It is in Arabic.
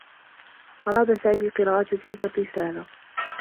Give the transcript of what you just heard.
أراد سامي قراءة تلك الرّسالة.